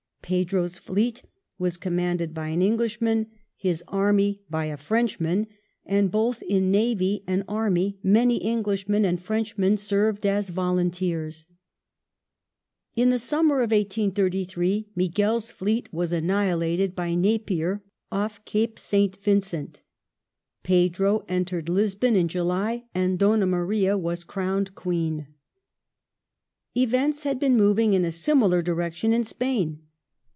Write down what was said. Pedro's fleet was commanded by an Englishman, his army by a Frenchman ; and both in navy and army many Englishmen and Frenchmen served as " volunteei*s ". In the summer of 1833 Miguel's fleet was annihilated by Napier off Cape St. Vincent ; Pedro entered Lisbon in July, and Donna Maria was crowned Queen. Christinos Events had been moving in a similar direction in Spain.